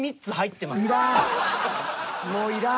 もういらん。